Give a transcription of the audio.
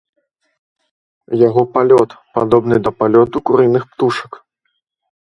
Яго палёт падобны да палёту курыных птушак.